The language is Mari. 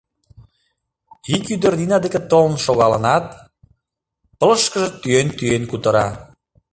Ик ӱдыр Нина деке толын шогалынат, пылышышкыже тӱен-тӱен кутыра: